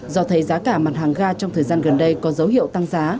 do thấy giá cả mặt hàng ga trong thời gian gần đây có dấu hiệu tăng giá